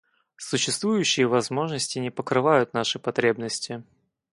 Существующие возможности не покрывают наши потребности.